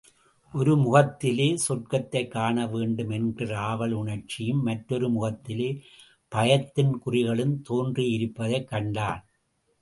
ஒரு முகத்திலே, சொர்க்கத்தைக் காணவேண்டும் என்கிற ஆவல் உணர்ச்சியும், மற்றொரு முகத்திலே பயத்தின் குறிகளும் தோன்றியிருப்பதைக் கண்டான்.